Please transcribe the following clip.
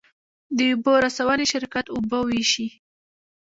د اوبو رسونې شرکت اوبه ویشي